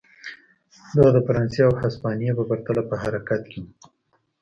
دا د فرانسې او هسپانیې په پرتله په حرکت کې و.